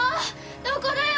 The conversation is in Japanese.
どこだよ？